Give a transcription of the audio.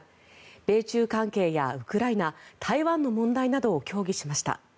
米中関係やウクライナ台湾の問題などを協議しました。